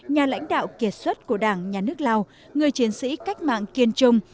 nhà lãnh đạo kiệt xuất của đảng nhà nước lào người chiến sĩ cách mạng kiên trung